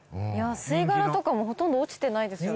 吸い殻とかもほとんど落ちてないですよね。